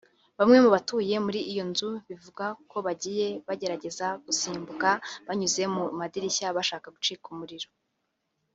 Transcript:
Bamwe mu batuye muri iyo nzu bivugwa ko bagiye bagerageza gusimbuka banyuze mu madirishya bashaka gucika umuriro